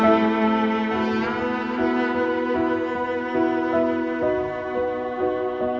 kamu gak mau